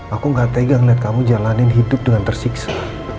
aku gak tegang liat kamu jalanin hidup dengan tersiksa